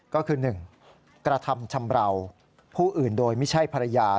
ก็คือ๑กระทำชำราวผู้อื่นโดยไม่ใช่ภรรยา